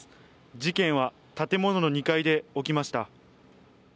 事件は、建物の２階で起きました。